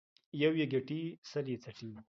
يو يې گټي ، سل يې څټي.